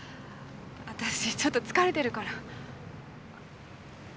わたしちょっと疲れてるから。